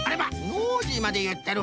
ノージーまでいってる。